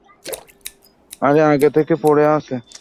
আরে আগে থেকে পড়ে আছে।